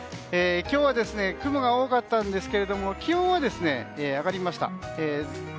今日は、雲が多かったんですが気温は上がりました。